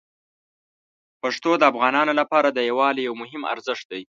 پښتو د افغانانو لپاره د یووالي یو مهم ارزښت دی.